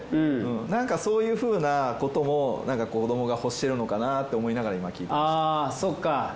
なんかそういうふうなことも子どもが欲してるのかなと思いながら今聞いてました。